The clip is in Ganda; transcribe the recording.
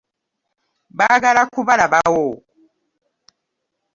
Baagala kubalabawo.